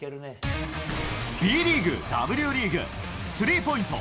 Ｂリーグ、Ｗリーグ、スリーポイント